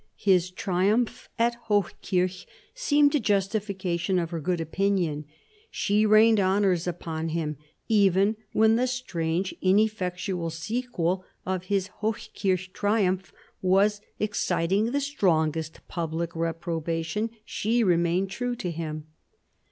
His triumph at Hochkirch seemed a justification of her good opinion. She rained honours upon him. Even when the strange ineffectual sequel of his Hochkirch triumph was exciting the strongest public reprobation she remained true to him.